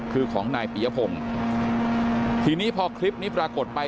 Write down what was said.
คือของนายปียพงศ์ทีนี้พอคลิปนี้ปรากฏไป